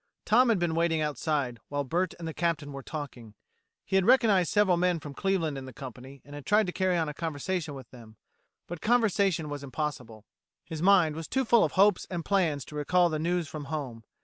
Tom had been waiting outside, while Bert and the Captain were talking. He had recognized several men from Cleveland in the company and had tried to carry on a conversation with them. But conversation was impossible. His mind was too full of hopes and plans to recall the news from home.